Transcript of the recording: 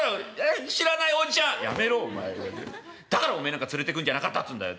だからおめえなんか連れてくるんじゃなかったっつうんだよ。